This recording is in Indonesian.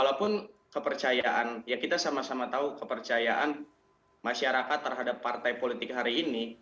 walaupun kepercayaan ya kita sama sama tahu kepercayaan masyarakat terhadap partai politik hari ini